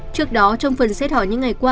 trước đó trong phần xét hỏi những ngày qua